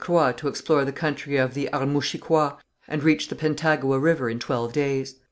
Croix to explore the country of the Armouchiquois, and reached the Pentagouet River in twelve days.